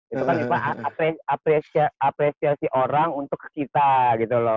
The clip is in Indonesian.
itu kan apa apresiasi orang untuk kita gitu loh